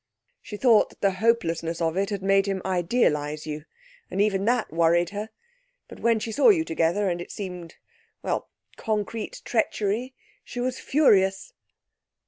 'She thought that the hopelessness of it had made him idealise you, and even that worried her; but when she saw you together, and it seemed well, concrete treachery she was furious.'